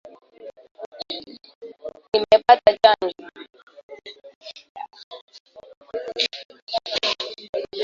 Nimepata chanjo